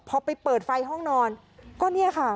พอไปเปิดไฟห้องนอนก็เนี่ยค่ะ